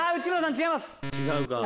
違うか。